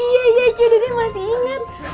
iya iya kyu dede masih inget